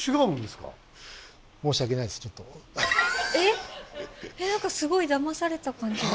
えっ⁉なんかすごいだまされた感じが。